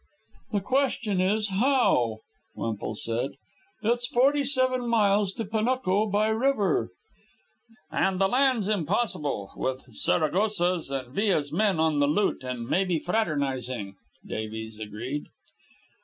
"The question is how," Wemple said. "It's forty seven miles to Panuco, by river " "And the land's impossible, with Zaragoza's and Villa's men on the loot and maybe fraternizing," Davies agreed.